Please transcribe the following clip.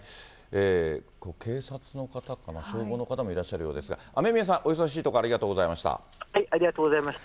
これ、警察の方かな、消防の方もいらっしゃるようですが、雨宮さん、お忙しいところありがとうございました。